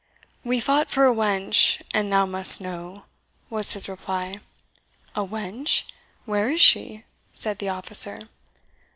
"We fought for a wench, an thou must know," was his reply. "A wench! Where is she?" said the officer.